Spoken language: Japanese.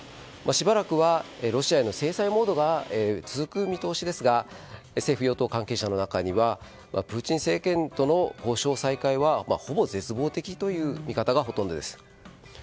しばらくはロシアへの制裁モードが続く見通しですが政府・与党関係者の中にはプーチン政権との交渉再開は、ほぼ絶望的という見方がほとんどです。